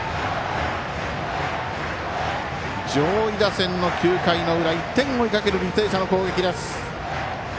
上位打線の９回の裏１点を追いかける履正社の攻撃。